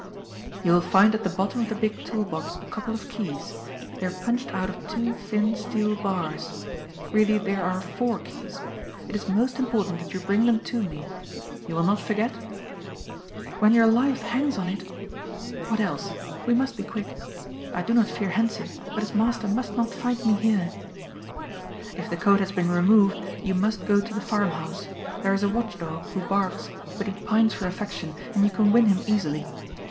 "You will find at the bottom of the big tool box a couple of keys. They are punched out of two thin steel bars. Really there are four keys. It is most important that you bring them to me. You will not forget?" "When your life hangs on it? What else? We must be quick. I do not fear Hentzi but his master must not find me here." "If the coat has been removed you must go to the farm house. There is a watch dog who barks but he pines for affection and you can win him easily.